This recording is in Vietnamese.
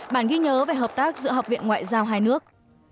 bản ghi nhớ về hợp tác giữa học viện ngoại giao hai nước